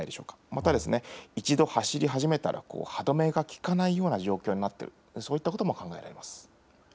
また、一度走り始めたら、歯止めが利かないような状況になっている、そういったことも考えられます。